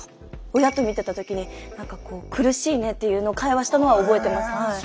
親と見てた時に何かこう苦しいねっていうのを会話してたのは覚えてます。